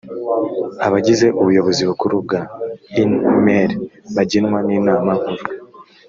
abagize ubuyobozi bukuru bwa inmr bagenwa n’inama nkuru